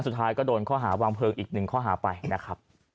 สุดท้ายก็โดนข้อหาวางเพลิงอีกหนึ่งข้อหาไปนะครับ